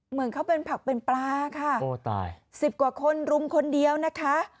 เหมือนเขาเป็นผักเป็นปลาค่ะโอ้ตายสิบกว่าคนรุมคนเดียวนะคะ